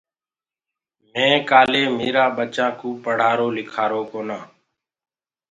مي ڪآلي ميرآ ٻچآ ڪو پڙهآرو لکارو ڪونآ